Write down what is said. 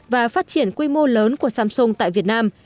và phát triển quy mô lớn của samsung tại việt nam